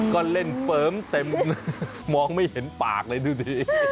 ก็เล่นเฟิร์มเต็มเลยมองไม่เห็นปากเลยดูดี